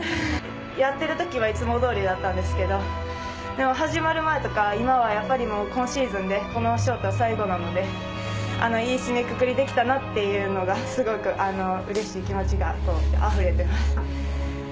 やってるときはいつもどおりだったんですけれど始まる前とか今は今シーズンでこのショート最後なのでいい締めくくりできたなというのがすごくうれしい気持ちがあふれています。